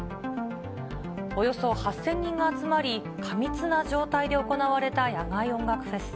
およそ８０００人が集まり、過密な状態で行われた野外音楽フェス。